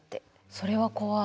それは怖い。